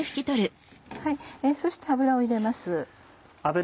そして油を入れます。